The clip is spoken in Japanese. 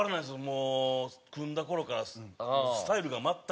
もう組んだ頃からスタイルが全く。